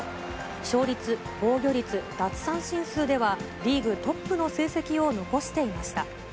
勝率、防御率、奪三振数ではリーグトップの成績を残していました。